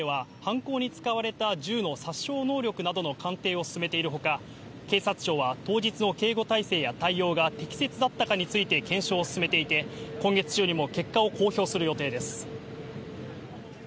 警は犯行に使われた銃の殺傷能力などの鑑定を進めているほか、警察庁は当日の警護態勢や対応が適切だったかについて検証を進めていて、今月中にも結果を公表する予定です。